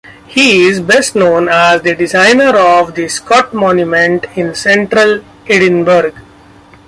He is best known as the designer of the Scott Monument in central Edinburgh.